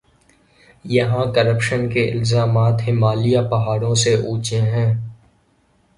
یہاں کرپشن کے الزامات ہمالیہ پہاڑوں سے اونچے ہیں۔